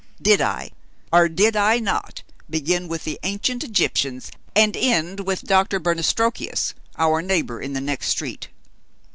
Did I, or did I not, begin with the ancient Egyptians, and end with Doctor Bernastrokius, our neighbor in the next street?"